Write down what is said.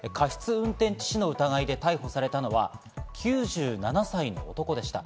過失運転致死の疑いで逮捕されたのは９７歳の男でした。